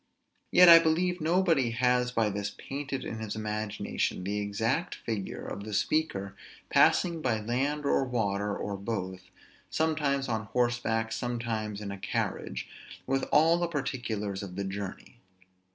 Yet I believe nobody has by this painted in his imagination the exact figure of the speaker passing by land or by water, or both; sometimes on horseback, sometimes in a carriage: with all the particulars of the journey.